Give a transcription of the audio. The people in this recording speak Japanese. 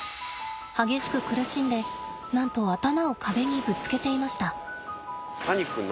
激しく苦しんでなんと頭を壁にぶつけていました。